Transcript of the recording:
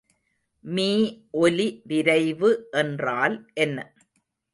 மீஒலி விரைவு என்றால் என்ன?